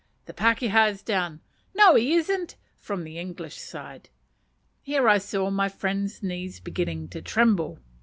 "The pakeha is down!" "No, he isn't!" (from English side). Here I saw my friend's knees beginning to tremble.